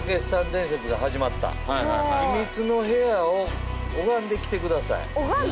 伝説が始まった秘密の部屋を拝んできてください」拝む？